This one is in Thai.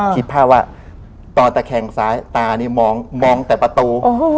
คิดภาพว่าตอนตะแคงซ้ายตานี่มองแต่ประตู